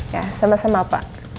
ya sama sama pak